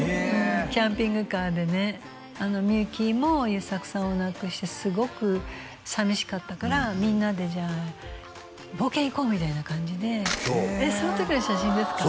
キャンピングカーでね美由紀も優作さんを亡くしてすごく寂しかったからみんなでじゃあ冒険行こうみたいな感じでその時の写真ですか？